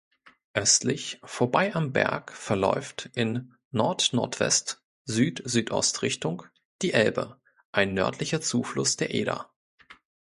Östlich vorbei am Berg verläuft in Nordnordwest-Südsüdost-Richtung die Elbe, ein nördlicher Zufluss der Eder.